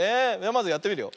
まずやってみるよ。